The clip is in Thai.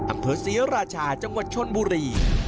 อำเภอศรีราชาจังหวัดชนบุรี